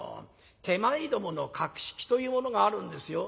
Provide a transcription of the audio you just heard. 手前どもの格式というものがあるんですよ。